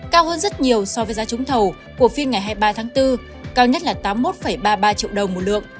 cao hơn rất nhiều so với giá trúng thầu của phiên ngày hai mươi ba tháng bốn cao nhất là tám mươi một ba mươi ba triệu đồng một lượng